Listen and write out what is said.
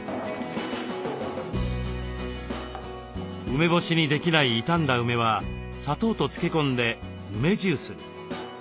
梅干しにできない傷んだ梅は砂糖と漬け込んで梅ジュースに。